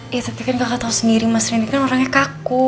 iya tapi kan kakak tau sendiri mas rini kan orangnya kaku